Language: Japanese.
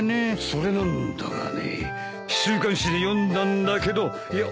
それなんだがね週刊誌で読んだんだけどいや